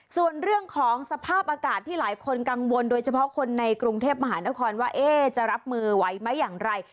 ส่วนเรื่องของสภาพอากาศที่หลายคนกังวลโดยเฉพาะคนในกรุงเทพมหานครว่าจะรับมือไหวไหมอย่างไร